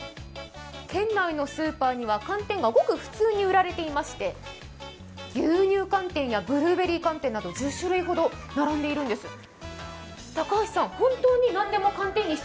県内のスーパーには寒天がごく普通に売られていまして、牛乳寒天やブルーベリー寒天など１０種類ほど並んでいるんです。